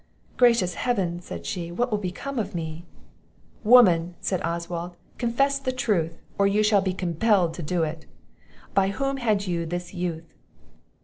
"Gracious Heaven!" said she, "what will become of me?" "Woman!" said Oswald, "confess the truth, or you shall be compelled to do it; by whom had you this youth?"